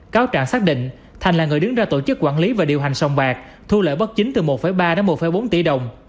cáo trạng xác định thành là người đứng ra tổ chức quản lý và điều hành sông bạc thu lợi bất chính từ một ba đến một bốn tỷ đồng